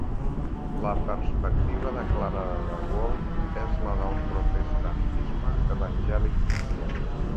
La perspectiva declarada de "World" és la del protestantisme evangèlic cristià.